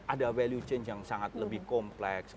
ada value change yang sangat lebih kompleks